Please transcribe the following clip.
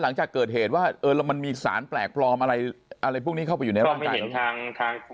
หลังจากเกิดเหตุว่ามันมีสารแปลกปลอมอะไรพวกนี้เข้าไปอยู่ในร่างกาย